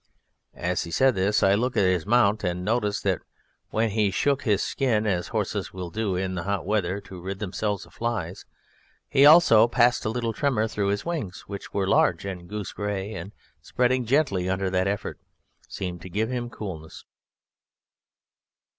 As he said this I looked at his mount and noticed that when he shook his skin as horses will do in the hot weather to rid themselves of flies, he also passed a little tremor through his wings, which were large and goose grey, and, spreading gently under that effort, seemed to give him coolness.